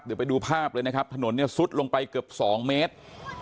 เดี๋ยวไปดูภาพเลยนะครับถนนเนี่ยซุดลงไปเกือบ๒เมตร